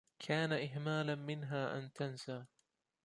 كان إهمالا منها أن تنسى.